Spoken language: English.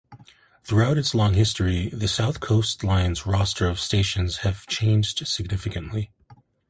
Throughout its long history, the South Coast Line's roster of stations have changed significantly.